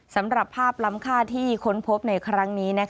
สำหรับภาพล้ำค่าที่ค้นพบในครั้งนี้